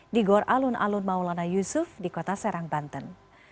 di gor alun alun maulana yusuf di kota serang banten